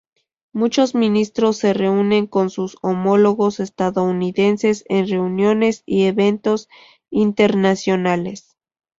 Muchos ministros se reúnen con sus homólogos estadounidenses en reuniones y eventos internacionales.